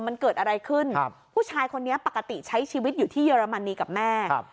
มันเกิดอะไรขึ้นครับผู้ชายคนนี้ปกติใช้ชีวิตอยู่ที่เยอรมนีกับแม่ครับ